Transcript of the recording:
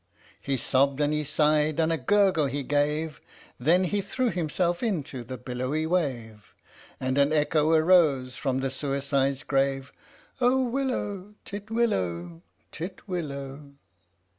" He sobbed and he sighed, and a gurgle he gave, Then he threw himself into the billowy wave, And an echo arose from the suicide's grave " Oh willow, titwillow, titwillow